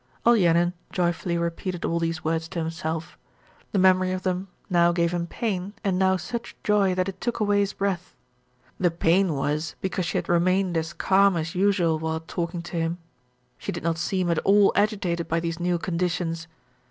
Olenin joyfully repeated all these words to himself. The memory of them now gave him pain and now such joy that it took away his breath. The pain was because she had remained as calm as usual while talking to him. She did not seem at all agitated by these new conditions.